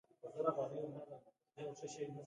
د څلورم څپرکي د اطراحي سیستم مهم دی.